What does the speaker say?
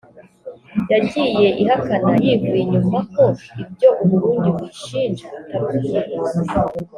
yagiye ihakana yivuye inyuma ko ibyo u Burundi buyishinja atari ukuri